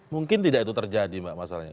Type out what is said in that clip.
mungkin tidak itu terjadi mbak masalahnya